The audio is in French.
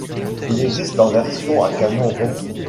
Il existe en version à canon rond.